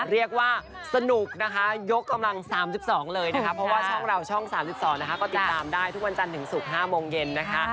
เรียกว่าสนุกนะคะยกกำลัง๓๒เลยนะคะเพราะว่าช่องเราช่อง๓๒นะคะก็ติดตามได้ทุกวันจันทร์ถึงศุกร์๕โมงเย็นนะคะ